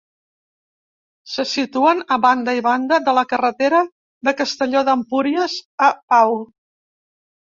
Se situen a banda i banda de la carretera de Castelló d'Empúries a Pau.